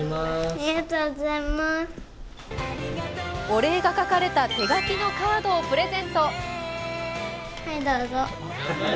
お礼が書かれた手書きのカードをプレゼント。